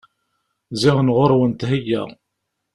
Ziɣen ɣur-wen thegga.